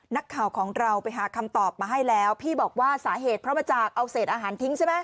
นักข่าวของเราไปหาคำตอบมาให้แล้วพี่บอกว่าสาเหตุเพราะมาจากเอาเศษอาหารทิ้งใช่ไหม